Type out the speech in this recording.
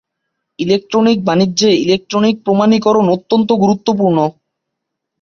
Electronic বাণিজ্যে electronic প্রমাণীকরণ অত্যন্ত গুরুত্বপূর্ণ।